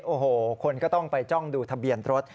โอ้โหคนก็ต้องไปจ้องดูทะเบียนรถ